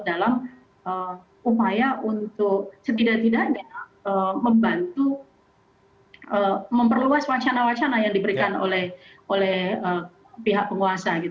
dalam upaya untuk setidak tidaknya membantu memperluas wacana wacana yang diberikan oleh pihak penguasa